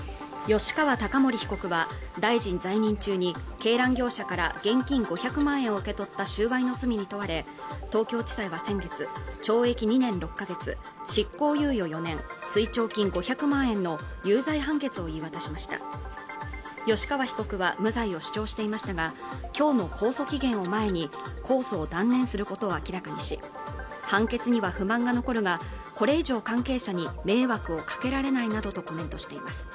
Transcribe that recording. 吉川貴盛被告は大臣在任中に鶏卵業者から現金５００万円を受け取った収賄の罪に問われ東京地裁は先月懲役２年６か月執行猶予４年追徴金５００万円の有罪判決を言い渡しました吉川被告は無罪を主張していましたが今日の控訴期限を前に控訴を断念することを明らかにし判決には不満が残るがこれ以上関係者に迷惑をかけられないなどとコメントしています